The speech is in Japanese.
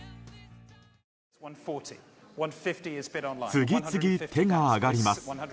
次々、手が挙がります。